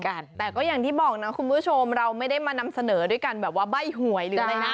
กันแต่ก็อย่างที่บอกนะคุณผู้ชมเราไม่ได้มานำเสนอด้วยการแบบว่าใบ้หวยหรืออะไรนะ